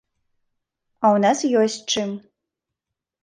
А ў нас ёсць чым.